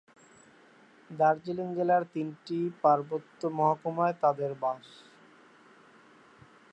দার্জিলিং জেলার তিনটি পার্বত্য মহকুমায় তাদের বাস।